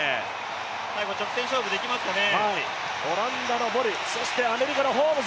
最後、直線勝負できますかね。